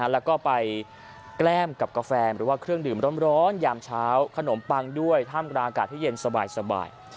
แล้วก็ไปแกล้มกับกาแฟหรือว่าเครื่องดื่มร้อนยามเช้าขนมปังด้วยท่ามกลางอากาศที่เย็นสบาย